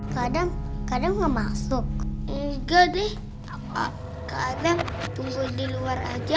kadang kadang masuk ini jadi kadang tunggu di luar aja ya